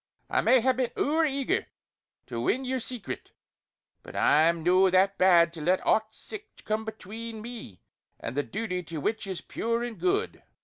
I may hae been ower eager to win yer secret; but I'm no that bad to let aught sic come between me and the duty to what is pure and good!"